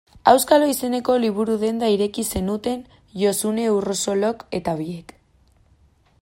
Auskalo izeneko liburu-denda ireki zenuten Josune Urrosolok eta biek.